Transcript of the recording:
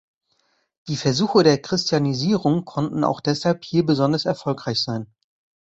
Die Versuche der Christianisierung konnten auch deshalb hier besonders erfolgreich sein.